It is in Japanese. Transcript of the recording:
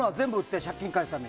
借金を返すために。